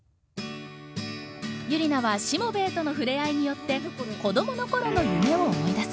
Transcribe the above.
ユリナはしもべえとの触れ合いによって子どもの頃の夢を思い出す。